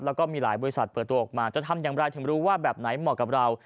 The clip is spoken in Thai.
แล้วก็มีหลายบริษัทเปิดตัวออกมาจะทำอย่างไรถึงรู้ว่าแบบไหนเหมาะกับเรา